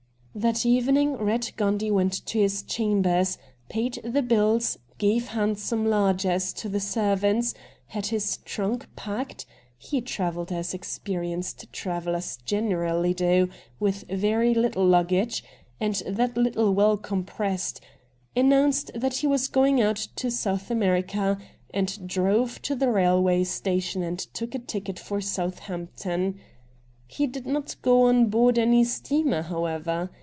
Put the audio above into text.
That evening Eatt Gundy went to his chambers, paid his bills, gave handsome largesse to the servants, had his trunk packed — he travelled as experienced travellers generally do, with very little luggage, and that little well compressed — announced that he was going out to South America, and drove to the railway station and took a ticket for Southampton. He did not go on board any steamer, however.